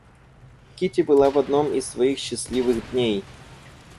Кити была в одном из своих счастливых дней.